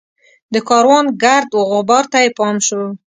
د کاروان ګرد وغبار ته یې پام شو.